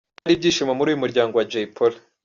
Byari ibyishimo muri uyu muryango wa Jay Polly.